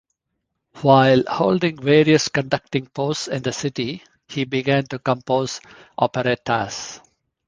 While holding various conducting posts in the city, he began to compose operettas.